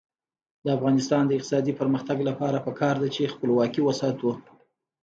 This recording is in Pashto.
د افغانستان د اقتصادي پرمختګ لپاره پکار ده چې خپلواکي وساتو.